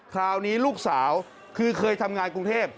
คราวนี้ลูกสาวคือเคยทำงานกรุงเทพ